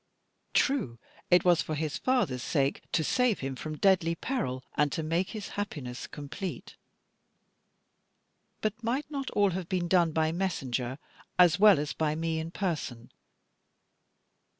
True, it was for his father's sake, to save him from deadly peril, and to make his happiness complete; but might not all have been done by messenger, as well as by me in person?